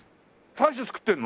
大将作ってるの？